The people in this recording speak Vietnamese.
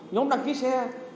nhóm đăng ký xe